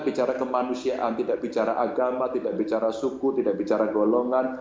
bicara kemanusiaan tidak bicara agama tidak bicara suku tidak bicara golongan